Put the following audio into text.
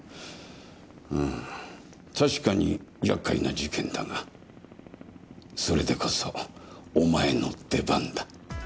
うーん確かに厄介な事件だがそれでこそお前の出番だ。